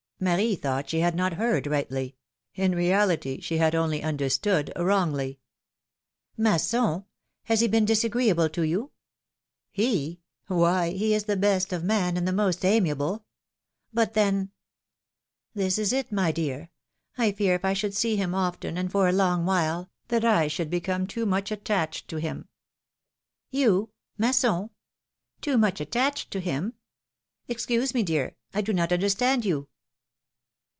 Marie thought she had not heard rightly — in reality she had only understood wrongly. Masson ! Has he been disagreeable to you ?" PHILOMi:NE's MARRIAGES. 257 He ? Why, he is the best of men, and the most amiable ! ''But then?'' " This is it, my dear : I fear if I should see him often, and for a long while, that I should become too much attached to him." "You? Masson? Too much attached to him? Excuse me, dear, I do not understand you